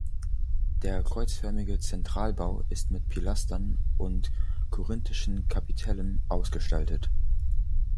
Der kreuzförmige Zentralbau ist mit Pilastern und korinthischen Kapitellen ausgestaltet.